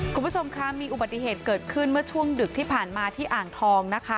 คุณผู้ชมคะมีอุบัติเหตุเกิดขึ้นเมื่อช่วงดึกที่ผ่านมาที่อ่างทองนะคะ